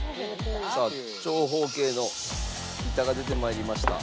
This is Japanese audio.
さあ長方形の板が出て参りました。